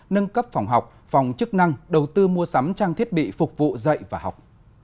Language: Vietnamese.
nâng cấp phòng học phòng chức năng đầu tư mua sắm trang thiết bị phục vụ dạy và học